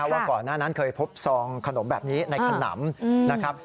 ว่าก่อนหน้านั้นเคยพบซองขนมแบบนี้ในขนำนะครับ